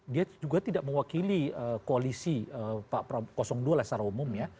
dia juga tidak mewakili koalisi pak prabowo dua secara umum ya